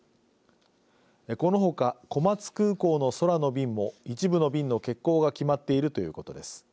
このほか、小松空港の空の便も一部の便の欠航が決まっているということです。